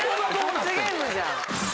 罰ゲームじゃん。